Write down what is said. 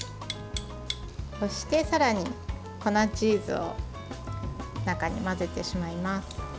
そして、さらに粉チーズを中に混ぜてしまいます。